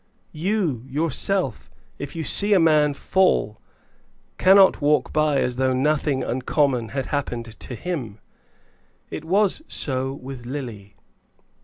You, yourself, if you see a man fall, cannot walk by as though nothing uncommon had happened to him. It was so with Lily.